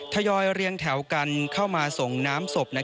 ทยอยเรียงแถวกันเข้ามาส่งน้ำศพ